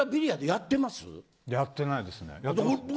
やってないですね。